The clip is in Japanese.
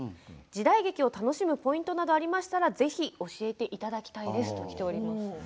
時代劇を楽しむポイントなどありましたらぜひ教えていただきたいですときています。